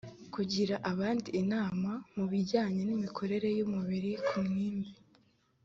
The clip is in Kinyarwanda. Kugira abandi inama mu bijyanye n imikorere y umubiri ku ngimbi